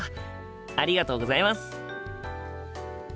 ありがとうございます。